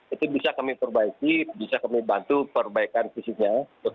itu bisa kami perbaiki bisa kami bantu perbaikan fisiknya